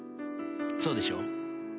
そうでしょ？